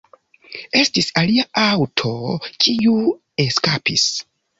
Estis alia aŭto, kiu eskapis.